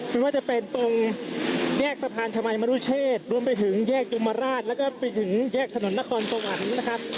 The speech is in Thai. ไม่ว่าจะเป็นตรงแยกสะพานชมัยมรุเชษรวมไปถึงแยกดมราชแล้วก็ไปถึงแยกถนนนครสวรรค์นะครับ